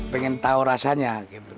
pengen tahu rasanya